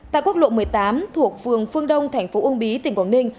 tại quốc lộ một mươi tám thuộc phường phương đông thành phố uông bí tỉnh quảng ninh